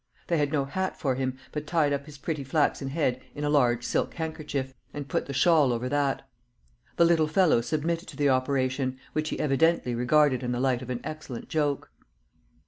They had no hat for him, but tied up his pretty flaxen head in a large silk handkerchief, and put the shawl over that. The little fellow submitted to the operation, which he evidently regarded in the light of an excellent joke.